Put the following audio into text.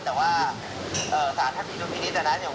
แต่ว่าศาลท่านพิสุทธิ์นี้แต่นะ